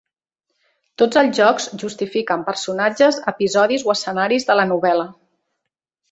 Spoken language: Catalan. Tots els jocs justifiquen personatges, episodis o escenaris de la novel.la.